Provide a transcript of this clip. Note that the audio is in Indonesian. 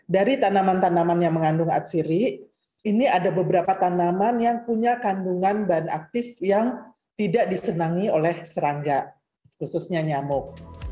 dari tanaman tanaman yang mengandung atsiri ini ada beberapa tanaman yang punya kandungan bahan aktif yang tidak disenangi oleh serangga khususnya nyamuk